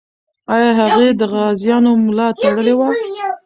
آیا هغې د غازیانو ملا تړلې وه؟